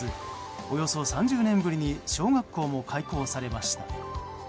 およそ３０年ぶりに小学校も開校されました。